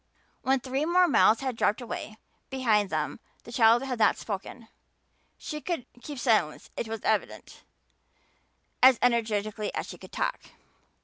When three more miles had dropped away behind them the child had not spoken. She could keep silence, it was evident, as energetically as she could talk.